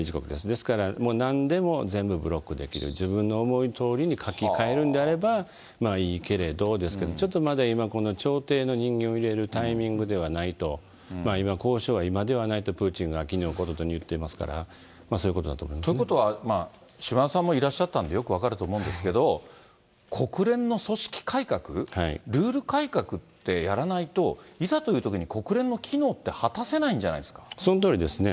ですから、もうなんでも全部ブロックできる、自分の思いどおりに書き換えるんであれば、いいけれどですけど、ちょっとまだ今この、調停の人間を入れるタイミングではないと、今、交渉は今ではないとプーチンが日を追うごとに言ってますから、そということは、島田さんもいらっしゃったんで、よく分かると思うんですど、国連の組織改革、ルール改革ってやらないと、いざというときに国連の機能って果たそのとおりですね。